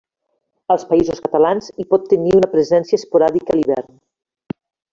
Als Països Catalans, hi pot tenir una presència esporàdica a l'hivern.